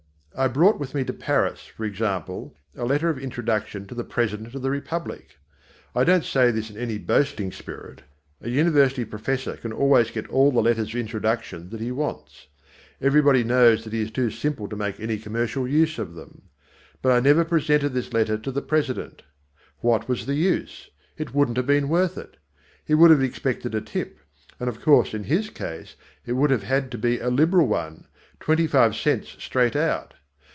I brought with me to Paris, for example, a letter of introduction to the President of the Republic. I don't say this in any boasting spirit. A university professor can always get all the letters of introduction that he wants. Everyone knows that he is too simple to make any commercial use of them. But I never presented this letter to the President. What was the use? It wouldn't have been worth it. He would have expected a tip, and of course in his case it would have had to be a liberal one, twenty five cents straight out.